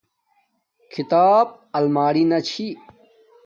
کھیتاپ الیمارنا چھی